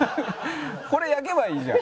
これ焼けばいいじゃん。